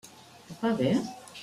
Et va bé?